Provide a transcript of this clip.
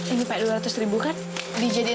ini pak dua ratus ribu kan dijadiin